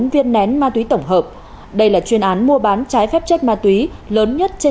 tám trăm một mươi bốn viên nén ma túy tổng hợp đây là chuyên án mua bán trái phép chất ma túy lớn nhất trên